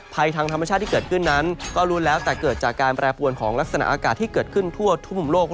ภัยทางธรรมชาติที่เกิดขึ้นนั้นก็รู้แล้วแต่เกิดจากการแปรปวนของลักษณะอากาศที่เกิดขึ้นทั่วทุ่มโลก